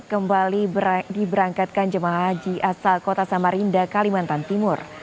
kembali diberangkatkan jemaah haji asal kota samarinda kalimantan timur